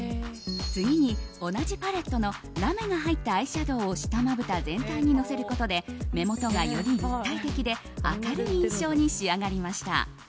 次に同じパレットのラメが入ったアイシャドーを下まぶた全体にのせることで目元が、より立体的で明るい印象に仕上がりました。